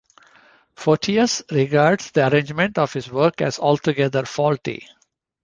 Photius regards the arrangement of his work as altogether faulty.